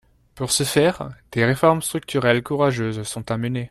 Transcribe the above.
Pour ce faire, des réformes structurelles courageuses sont à mener.